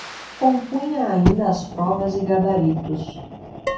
Compunha ainda as provas e gabaritos